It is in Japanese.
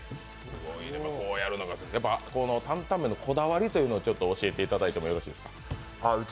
担々麺のこだわりというのを教えていただいてもいいですか。